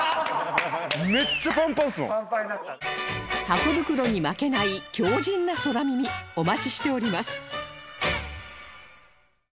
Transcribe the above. ハコ袋に負けない強靭な空耳お待ちしております